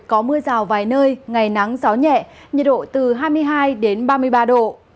có mưa rào vài nơi ngày nắng gió nhẹ nhiệt độ từ hai mươi hai ba mươi ba độ